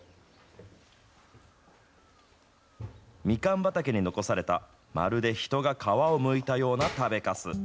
ミカン畑に残された、まるで人が皮をむいたような食べかす。